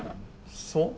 そう？